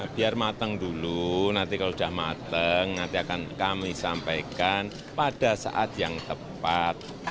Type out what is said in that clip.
biar mateng dulu nanti kalau sudah mateng nanti akan kami sampaikan pada saat yang tepat